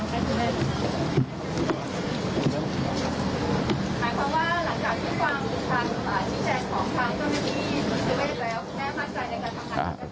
คุณแม่ชินแชร์ของฟังต้นในวันที่๑๗แล้ว